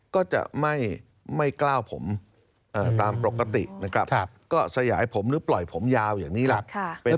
ก็จะไม่กล้าวผมตามปกตินะครับก็สยายผมหรือปล่อยผมยาวอย่างนี้แหละ